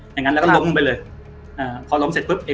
อย่างนั้นแล้วก็ล้มลงไปเลยอ่าพอล้มเสร็จปุ๊บ